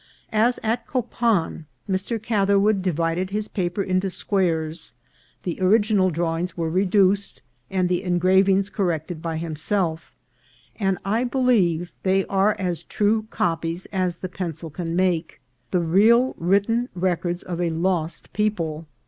As at Copan, Mr. Catherwood divided his paper into squares ; the original drawings were reduced, and the engravings corrected by himself, and I believe they are as true copies as the pencil can make : the real written records of a lost people.